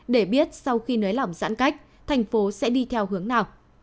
để biết sau khi nới lỏng giãn cách thành phố sẽ đi theo hướng nào